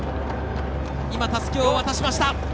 たすきを渡しました。